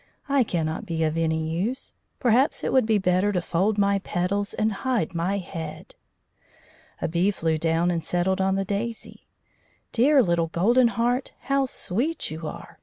"I cannot be of any use. Perhaps it would be better to fold my petals and hide my head." A bee flew down and settled on the daisy. "Dear little Golden Heart, how sweet you are!"